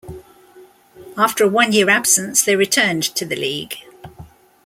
After a one-year absence, they returned to the league.